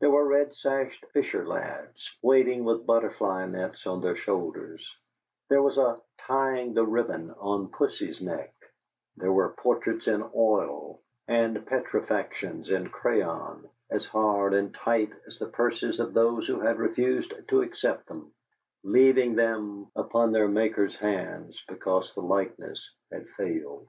There were red sashed "Fisher Lads" wading with butterfly nets on their shoulders; there was a "Tying the Ribbon on Pussy's Neck"; there were portraits in oil and petrifactions in crayon, as hard and tight as the purses of those who had refused to accept them, leaving them upon their maker's hands because the likeness had failed.